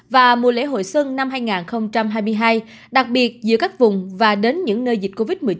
và mùa lễ hội xuân năm hai nghìn hai mươi hai đặc biệt giữa các vùng và đến những nơi dịch covid một mươi chín